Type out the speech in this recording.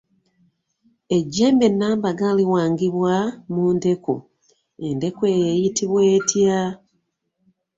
Ejjembe Nambaga liwangibwa mu ndeku, endeku eyo eyitibwa etya?